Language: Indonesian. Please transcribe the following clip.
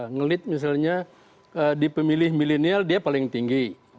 ngelit misalnya di pemilih milenial dia paling tinggi